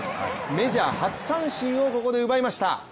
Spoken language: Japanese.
メジャー初三振をここで奪いました。